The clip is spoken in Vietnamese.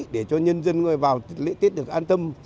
để cho nhân dân người vào lễ tết được an tâm